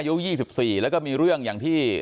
อายุ๒๔แล้วก็มีเรื่องอย่างที่